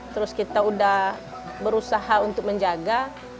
terus kita udah berusaha untuk menjaga